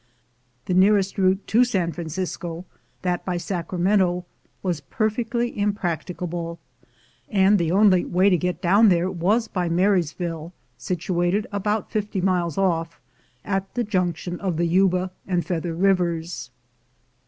The nearest route to San Francisco — that by Sacramento — was perfectly impracticable, and the only way to get down there was by Marysville, situated about fifty miles ofif, at the junction of the Yuba and Feather rivers.